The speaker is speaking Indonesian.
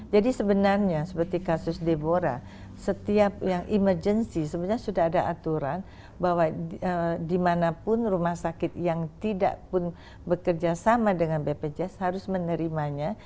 jadi sebenarnya seperti kasus deborah setiap yang emergency sebenarnya sudah ada aturan bahwa dimanapun rumah sakit yang tidak pun bekerjasama dengan bpjs harus menerimanya